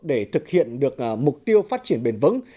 để thực hiện được mục tiêu phát triển bền vững